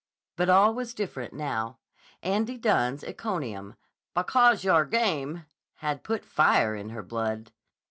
But all was different now. Andy Dunne's encomium, "because yah'r game," had put fire in her blood.